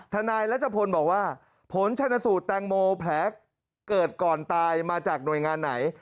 นายรัชพลบอกว่าผลชนสูตรแตงโมแผลเกิดก่อนตายมาจากหน่วยงานไหน